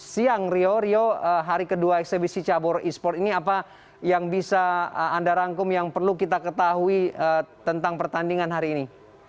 siang rio rio hari kedua eksebisi cabur e sport ini apa yang bisa anda rangkum yang perlu kita ketahui tentang pertandingan hari ini